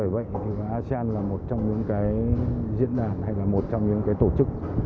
vậy asean là một trong những cái diễn đàn hay là một trong những cái tổ chức